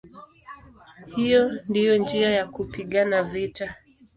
Hiyo ndiyo njia ya kupigana vita".